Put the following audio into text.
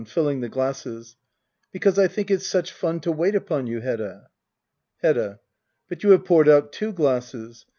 [Filling the glasses,] Because I think it's such fun to wait upon you^ Hedda. Hedda. But you have poured out two glasses.